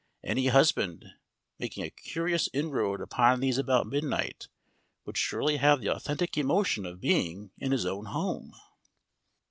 Any husband, making a cautious inroad upon these about midnight, would surely have the authentic emotion of being in his own home.